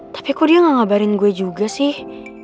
tapi kok dia gak ngabarin gue juga sih